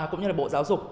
cũng như là bộ giáo dục